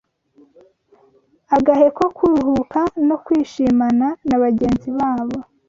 agahe ko kuruhuka no kwishimana na bagenzi babo,